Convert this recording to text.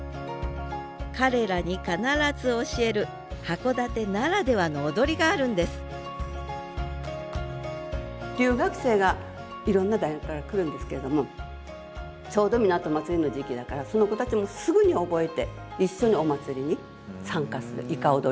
彼らに必ず教える函館ならではの踊りがあるんです留学生がいろんな大学から来るんですけれどもちょうど港まつりの時期だからその子たちもすぐに覚えてえ！